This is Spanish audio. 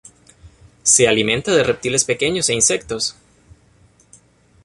Se alimenta de reptiles pequeños e insectos.